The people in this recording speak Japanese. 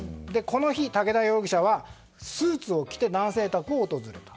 この日、武田容疑者はスーツを着て男性宅を訪れた。